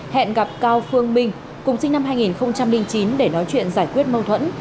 hẹn gặp cao phương minh cùng sinh năm hai nghìn chín để nói chuyện giải quyết mâu thuẫn